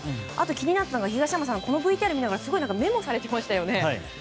あと気になったのが東山さん、このＶＴＲを見ながらすごいメモされてましたね。